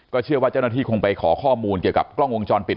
เชื่อว่าเจ้าหน้าที่คงไปขอข้อมูลเกี่ยวกับกล้องวงจรปิด